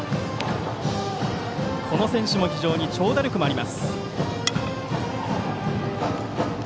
この選手も非常に長打力もあります。